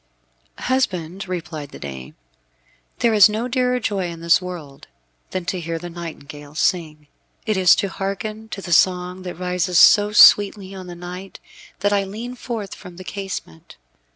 "Husband," replied the dame, "there is no dearer joy in this world, than to hear the nightingale sing. It is to hearken to the song that rises so sweetly on the night, that I lean forth from the casement.